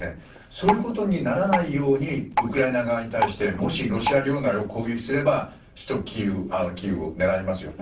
そういうことにならないようウクライナに対してもし、ロシア領内を攻撃すれば首都キーウを狙いますよと。